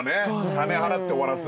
金払って終わらす。